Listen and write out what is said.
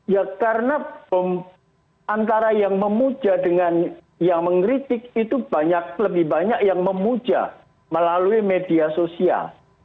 ya karena antara yang memuja dengan yang mengkritik itu lebih banyak yang memuja melalui media sosial